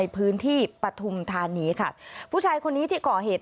พื้นที่ปฐุมธานีค่ะผู้ชายคนนี้ที่ก่อเหตุ